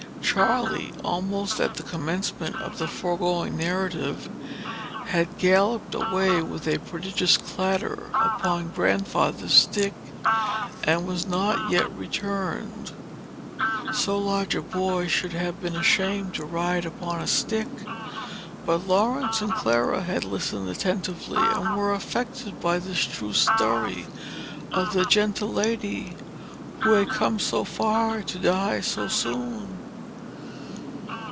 Charley, almost at the commencement of the foregoing narrative, had galloped away with a prodigious clatter, upon Grandfather's stick, and was not yet returned. So large a boy should have been ashamed to ride upon a stick. But Laurence and Clara had listened attentively, and were affected by this true story of the gentle lady, who had come so far to die so soon.